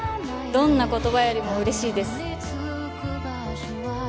どんな言葉よりも嬉しいです。